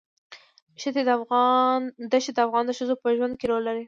ښتې د افغان ښځو په ژوند کې رول لري.